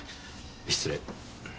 失礼。